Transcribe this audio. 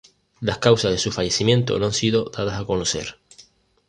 Las causas de su fallecimiento no han sido dadas a conocer.